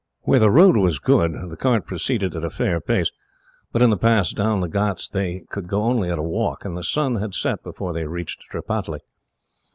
Where the road was good, the cart proceeded at a fair pace, but in the pass down the ghauts they could go only at a walk, and the sun had set before they reached Tripataly.